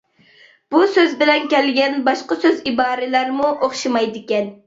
بۇ سۆز بىلەن كەلگەن باشقا سۆز-ئىبارىلەرمۇ ئوخشىمايدىكەن.